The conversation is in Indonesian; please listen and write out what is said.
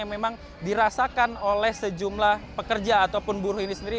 yang memang dirasakan oleh sejumlah pekerja ataupun buruh ini sendiri